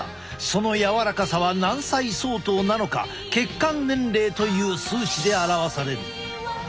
その柔らかさは何歳相当なのか血管年齢という数値で表される。